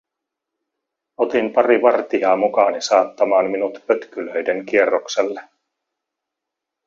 Otin pari vartijaa mukaani saattamaan minut pötkylöiden kierrokselle.